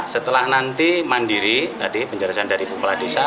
setelah nanti mandiri tadi penjelasan dari kepala desa